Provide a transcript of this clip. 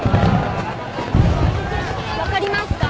分かりますか？